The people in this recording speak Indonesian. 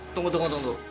tunggu tunggu tunggu